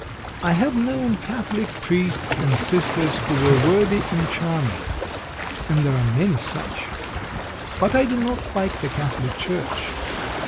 I have known Catholic priests and sisters who were worthy and charming, and there are many such; but I do not like the Catholic Church.